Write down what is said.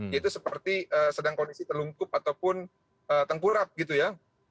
yaitu seperti sedang kondisi telungkup ataupun tengkurap gitu ya